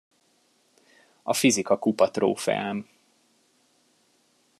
A Fizika Kupa trófeám.